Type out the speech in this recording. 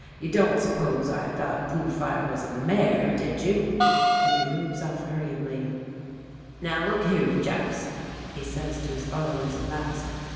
"You don't suppose I thought Blue Fire was a mare, did you?" and he moves off hurriedly. "Now, look here, you chaps," he says to his followers at last.